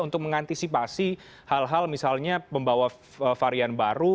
untuk mengantisipasi hal hal misalnya pembawa varian baru